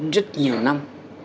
rất nhiều năm